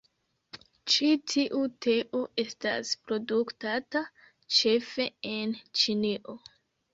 Ĉi tiu teo estas produktata ĉefe en Ĉinio.